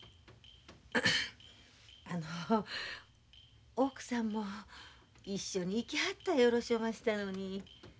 あの奥さんも一緒に行きはったらよろしおましたのに。